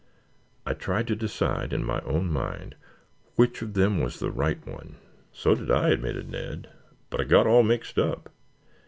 "I tried to decide, in my own mind, which of them was the right one." "So did I," admitted Ned. "But I got all mixed up.